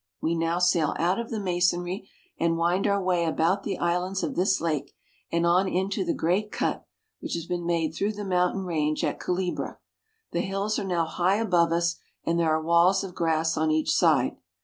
We now sail out of the masonry, and wind our way about the islands of this lake, and on into the great cut which has been made through the mountain range at Cule bra. The hills are now high above us, and there are walls of grass on each side.